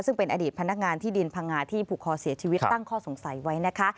ซึ่งเป็นอดีตพนักงานที่ดินพังงาที่ผูกคอเสียชีวิตตั้งข้อสงสัยไว้นะคะ